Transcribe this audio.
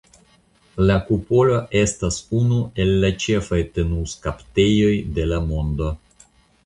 La kupolo estas unu el la ĉefaj tinuskaptejoj de la mondo.